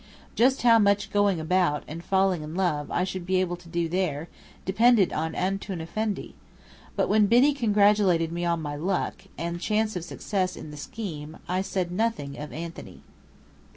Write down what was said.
Just how much "going about," and falling in love, I should be able to do there, depended on "Antoun Effendi." But when Biddy congratulated me on my luck, and chance of success in the "scheme," I said nothing of Anthony.